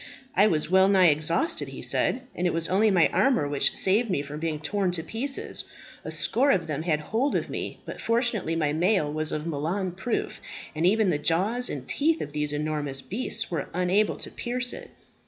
"I was well nigh exhausted," he said, "and it was only my armour which saved me from being torn to pieces. A score of them had hold of me; but, fortunately, my mail was of Milan proof, and even the jaws and teeth of these enormous beasts were unable to pierce it."